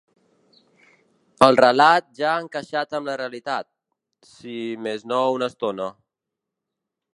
El relat ja ha encaixat amb la realitat, si més no una estona.